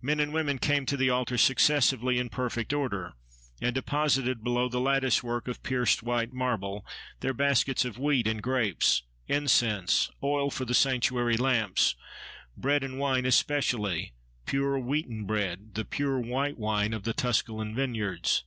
Men and women came to the altar successively, in perfect order, and deposited below the lattice work of pierced white marble, their baskets of wheat and grapes, incense, oil for the sanctuary lamps; bread and wine especially—pure wheaten bread, the pure white wine of the Tusculan vineyards.